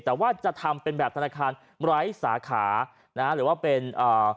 แต่ว่าจะทำเป็นแบบธนาคารไร้สาขานะฮะหรือว่าเป็นอ่า